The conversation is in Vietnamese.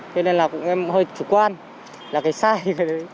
thế nên là em hơi chủ quan là cái sai